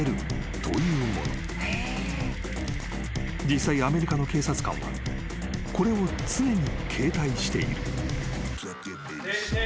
［実際アメリカの警察官はこれを常に携帯している］